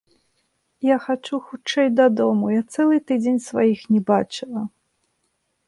Я хачу хутчэй дадому, я цэлы тыдзень сваіх не бачыла.